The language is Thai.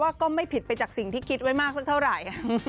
ก็ไม่ผิดไปจากสิ่งที่คิดไว้มากสักเท่าไหร่